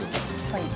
はい。